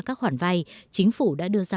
các khoản vay chính phủ đã đưa ra